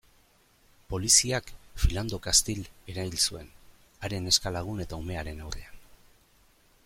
Poliziak Philando Castile erail zuen, haren neska-lagun eta umearen aurrean.